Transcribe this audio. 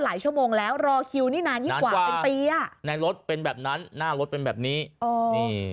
หลายชั่วโมงแล้วรอคิวนี่นานที่กว่าปีอ่ะแน่นรถเป็นแบบนั้นน่ารถเป็นแบบนี้นี่